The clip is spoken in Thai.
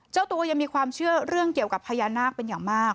เจ้าตัวยังมีความเชื่อเรื่องเกี่ยวกับพญานาคเป็นอย่างมาก